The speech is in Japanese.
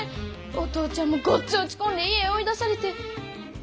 お父ちゃんもごっつい落ち込んで家追い出されて。